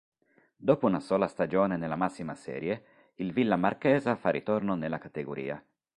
Dopo una sola stagione nella massima serie, il Villa Marchesa fa ritorno nella categoria.